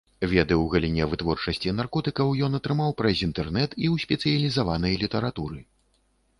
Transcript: Веды ў галіне вытворчасці наркотыкаў ён атрымаў праз інтэрнэт і ў спецыялізаванай літаратуры.